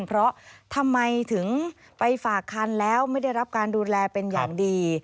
เพราะทำไมถึงไปฝากคันแล้วไม่ได้รับการดูแลเป็นอย่างดี